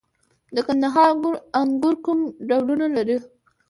د کندهار انګور کوم ډولونه لري؟